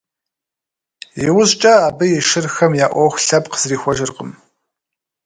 Иужькӏэ абы и шырхэм я ӏуэху лъэпкъ зрихуэжыркъым.